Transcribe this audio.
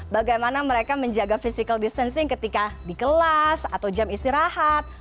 bagaimana mereka menjaga physical distancing ketika di kelas atau jam istirahat